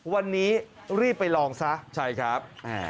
วันนี้รีบไปลองซะใช่ครับแหละครับ